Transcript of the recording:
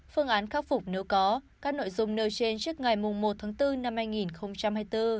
phương án khắc phục nếu có các nội dung nêu trên trước ngày một tháng bốn năm hai nghìn hai mươi bốn